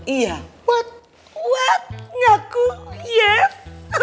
iya what what ngaku yes